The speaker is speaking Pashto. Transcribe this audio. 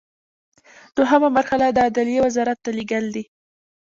دوهمه مرحله د عدلیې وزارت ته لیږل دي.